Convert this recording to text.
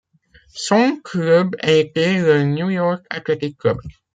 Son club était le New York Athletic Club.